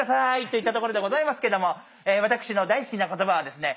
といったところでございますけども私の大好きな言葉はですね